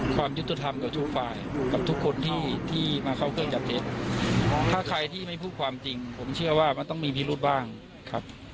ความยุติธรรมกับทุกฝ่ายกับทุกคนที่มาเข้าเครื่องจับเท็จถ้าใครที่ไม่พูดความจริงผมเชื่อว่ามันต้องมีพิรุธบ้างครับ